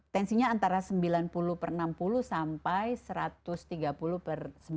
tensinya antara sembilan puluh per enam puluh sampai satu ratus tiga puluh per sembilan puluh